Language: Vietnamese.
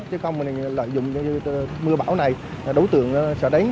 chứ không lợi dụng mưa bão này đấu tượng sợ đánh